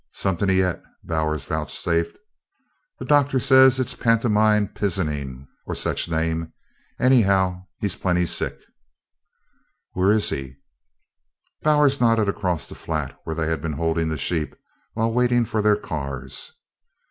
"Somethin' he's et," Bowers vouchsafed. "The doctor says it's pantomime pizenin', or some sech name anyhow, he's plenty sick." "Where is he?" Bowers nodded across the flat where they had been holding the sheep while waiting for their cars.